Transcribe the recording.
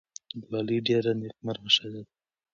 ګلالۍ ډېره نېکمرغه ښځه ده.